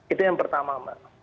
itu yang pertama mbak